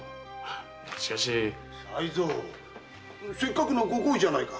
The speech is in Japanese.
せっかくのご厚意じゃないか。